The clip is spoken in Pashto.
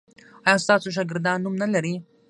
ایا ستاسو شاګردان نوم نلري؟